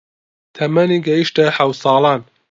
تەمەنی گەیشتە حەوت ساڵان